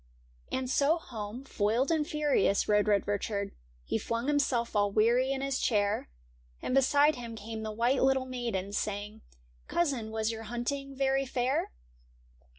And so home, foiled and furious, rode Red Richard ; He flung himself all weary in his chair. And beside him came the white little maiden. Saying, *■ Cousin, was your hunting very fair